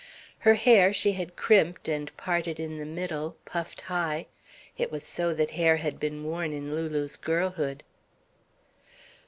Her hair she had "crimped" and parted in the middle, puffed high it was so that hair had been worn in Lulu's girlhood.